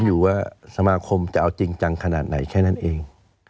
อยู่ว่าสมาคมจะเอาจริงจังขนาดไหนแค่นั้นเอง